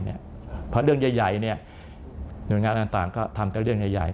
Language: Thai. เพราะเรื่องใหญ่หน่วยงานต่างก็ทำแต่เรื่องใหญ่